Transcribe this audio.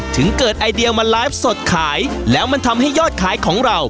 ถึงเกิดไอเดียมาไลฟ์สดขายแล้วมันทำให้ยอดขายของเรา